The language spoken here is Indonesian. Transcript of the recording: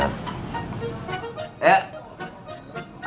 s kalau ada apa